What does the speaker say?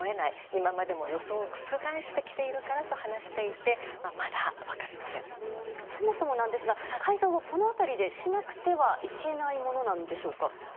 今までも予想を覆してきているからとそもそもなんですが改造をこの辺りでしなくてはいけないものですか。